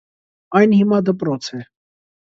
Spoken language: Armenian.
Այն հիմա դպրոց է։